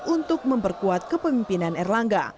untuk memperkuat kepemimpinan erlangga